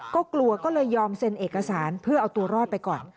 ก็กลัวก็เลยยอมเซ็นเอกสารเพื่อเอาตัวรอดไปก่อน